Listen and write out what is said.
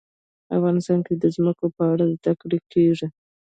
افغانستان کې د ځمکه په اړه زده کړه کېږي.